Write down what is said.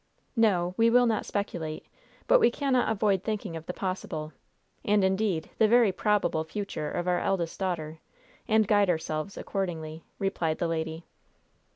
"No, we will not speculate; but we cannot avoid thinking of the possible, and, indeed, the very probable future of our eldest daughter, and guide ourselves accordingly," replied the lady.